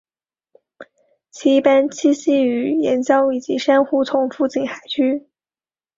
其一般栖息于岩礁以及珊瑚丛附近海区。